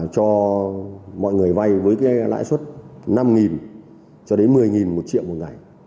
cho mọi người vay với cái lãi suất năm cho đến một mươi một triệu một ngày